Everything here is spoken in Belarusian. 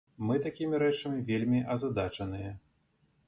Мы такімі рэчамі вельмі азадачаныя.